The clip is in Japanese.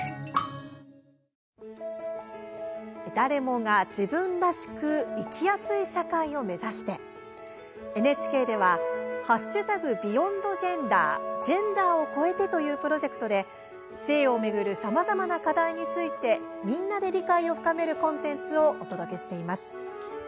誰もが、自分らしく生きやすい社会を目指してＮＨＫでは「＃ＢｅｙｏｎｄＧｅｎｄｅｒジェンダーをこえて」というプロジェクトで性を巡るさまざまな課題についてみんなで理解を深めるコンテンツをお届けしています。